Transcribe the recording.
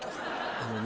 あのね